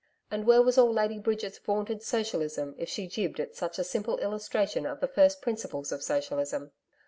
And where was all Lady Bridget's vaunted socialism if she jibbed at such a simple illustration of the first principles of socialism?